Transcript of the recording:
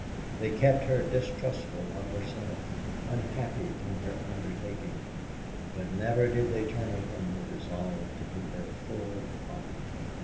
They kept her distrustful of herself, unhappy in her undertaking, but never did they turn her from her resolve to do her full part.